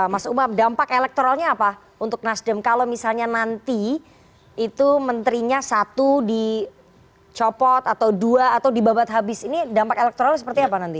mas umam dampak elektoralnya apa untuk nasdem kalau misalnya nanti itu menterinya satu dicopot atau dua atau dibabat habis ini dampak elektoralnya seperti apa nanti